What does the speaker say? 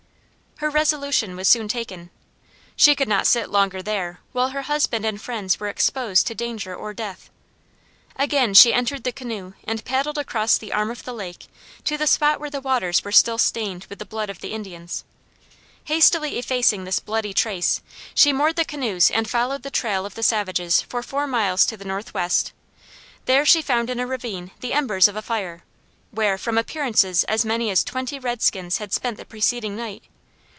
Her resolution was soon taken. She could not sit longer there, while her husband and friends were exposed to danger or death. Again she entered the canoe and paddled across the arm of the lake to the spot where the waters were still stained with the blood of the Indians. Hastily effacing this bloody trace, she moored the canoes and followed the trail of the savages for four miles to the northwest. There she found in a ravine the embers of a fire, where, from appearances as many as twenty redskins had spent the preceding night.